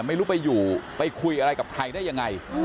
ไม่รู้ไปอยู่ไปคุยอะไรกับใครได้ยังไง